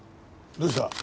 どうした？